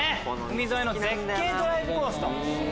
海沿いの絶景ドライブコース。